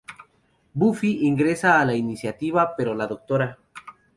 Buffy ingresa en la Iniciativa, pero la Dra.